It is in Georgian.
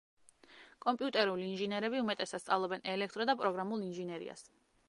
კომპიუტერული ინჟინერები უმეტესად სწავლობენ ელექტრო და პროგრამულ ინჟინერიას.